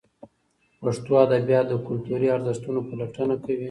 پښتو ادبیات د کلتوري ارزښتونو پلټونه کوي.